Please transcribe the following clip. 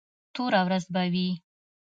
توره ورځ به وي.